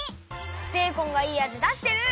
ベーコンがいいあじだしてる！